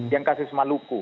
yang kasus maluku